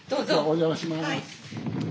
お邪魔します。